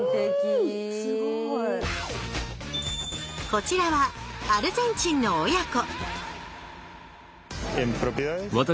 こちらはアルゼンチンの親子